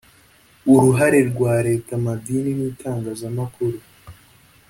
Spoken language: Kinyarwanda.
uruhare rwa Leta Amadini n Itangazamakuru